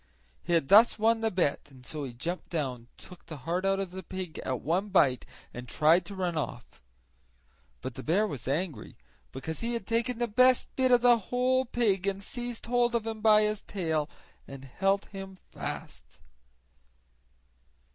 He had thus won the bet, and so he jumped down, took the heart out of the pig at one bite, and tried to run off. But the bear was angry, because he had taken the best bit of the whole pig, and seized hold of him by his tail and held him fast.